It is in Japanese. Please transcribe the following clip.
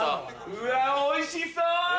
うわおいしそう！